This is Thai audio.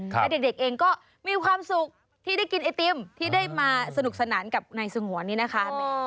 และเด็กเองก็มีความสุขที่ได้กินไอติมที่ได้มาสนุกสนานกับนายสงวนนี้นะคะ